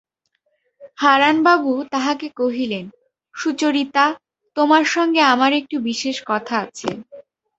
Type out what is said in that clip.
হারানবাবু তাহাকে কহিলেন, সুচরিতা, তোমার সঙ্গে আমার একটু বিশেষ কথা আছে।